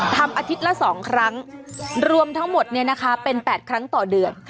ทำอาทิตย์ละ๒ครั้งรวมทั้งหมดเป็น๘ครั้งต่อเดือน